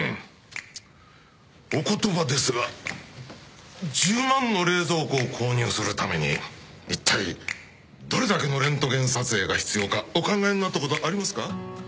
お言葉ですが１０万の冷蔵庫を購入するためにいったいどれだけのレントゲン撮影が必要かお考えになったことありますか？